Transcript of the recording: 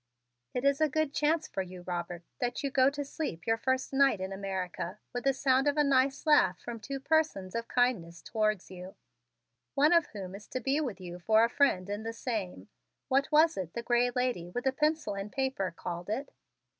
"It is a good chance for you, Robert, that you go to sleep your first night in America with the sound of a nice laugh from two persons of kindness towards you, one of whom is to be with you for a friend in the same what was it the gray lady with the pencil and paper called it?